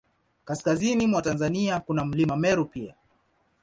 Kaskazini mwa Tanzania, kuna Mlima Meru pia.